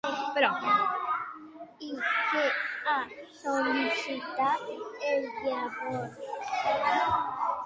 I què ha sol·licitat, llavors?